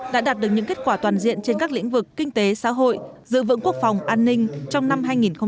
đã đạt được những kết quả toàn diện trên các lĩnh vực kinh tế xã hội giữ vững quốc phòng an ninh trong năm hai nghìn hai mươi ba